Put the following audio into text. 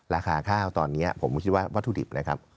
ราคาข้าวตอนนี้ผมก็คิดว่าวัตถุดิบนะครับ